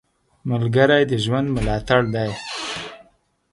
ملګری د ژوند ملاتړ دی